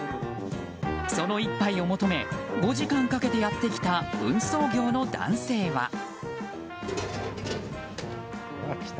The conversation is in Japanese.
その１杯を求め５時間かけてやってきた運送業の男性は。